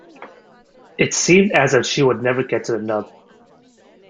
It seemed as if she would never get to the nub.